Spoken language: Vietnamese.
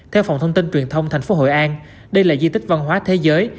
theo phòng thông tin truyền thông thành phố hội an đây là di tích văn hóa thế giới